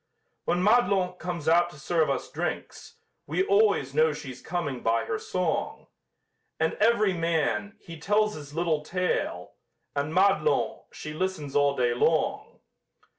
When Madelon comes out to serve us drinks, We always know she's coming by her song! And every man, he tells his little tale, And Madelon, she listens all day long.